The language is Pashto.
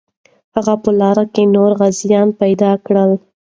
هغه په لاره کې نور غازیان پیدا کړل.